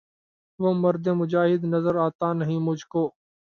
وہ مرد مجاہد نظر آتا نہیں مجھ کو